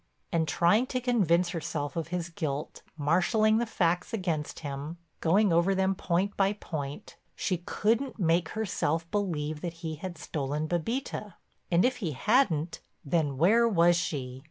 And trying to convince herself of his guilt, marshaling the facts against him, going over them point by point, she couldn't make herself believe that he had stolen Bébita. And if he hadn't, then where was she?